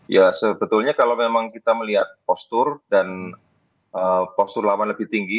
ya sebetulnya kalau memang kita melihat postur dan postur lawan lebih tinggi